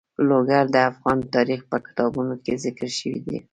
لوگر د افغان تاریخ په کتابونو کې ذکر شوی دي.